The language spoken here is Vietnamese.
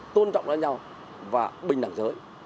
tôn trọng đoàn nhau và bình đẳng giới